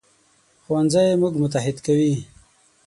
ښوونځی موږ متحد کوي